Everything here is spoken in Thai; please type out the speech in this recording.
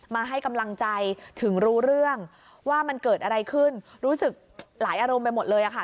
มาให้กำลังใจถึงรู้เรื่องว่ามันเกิดอะไรขึ้นรู้สึกหลายอารมณ์ไปหมดเลยค่ะ